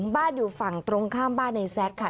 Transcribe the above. บ้านอยู่ฝั่งตรงข้ามบ้านในแซคค่ะ